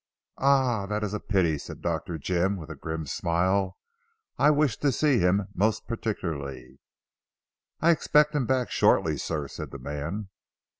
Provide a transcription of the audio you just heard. "Ah, that is a pity," said Dr. Jim with a grim smile. "I wished to see him most particularly." "I expect him back shortly sir," said the man.